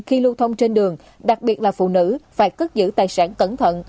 khi lưu thông trên đường đặc biệt là phụ nữ phải cất giữ tài sản cẩn thận